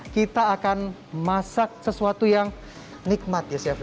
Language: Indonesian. kita akan masak sesuatu yang nikmat ya chef